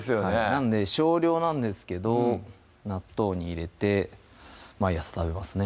なんで少量なんですけど納豆に入れて毎朝食べますね